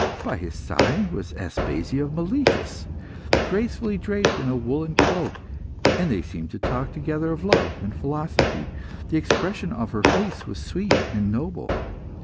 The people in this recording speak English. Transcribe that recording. By his side was Aspasia of Miletus, gracefully draped in a woollen cloak, and they seemed to talk together of love and philosophy; the expression of her face was sweet and noble.